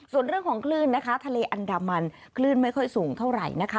ส่วนเรื่องของคลื่นนะคะทะเลอันดามันคลื่นไม่ค่อยสูงเท่าไหร่นะคะ